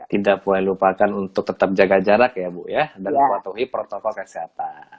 tidak boleh lupakan untuk tetap jaga jarak ya bu ya dalam patuhi protokol kesehatan